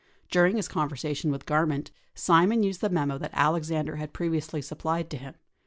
During his conversation with Garment, Simon used the memo that Alexander had previously supplied to him.